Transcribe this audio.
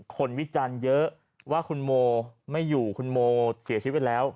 วิจารณ์เยอะว่าคุณโมไม่อยู่คุณโมเสียชีวิตไปแล้ว